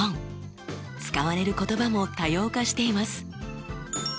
使われる言葉も多様化しています。